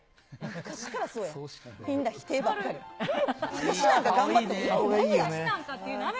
昔からそうや、みんな否定ばっかり。